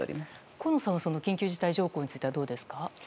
河野さんは緊急事態条項についてはどうですか？